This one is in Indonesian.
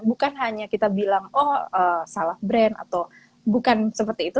bukan hanya kita bilang oh salah brand atau bukan seperti itu